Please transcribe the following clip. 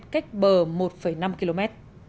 cách bờ một năm km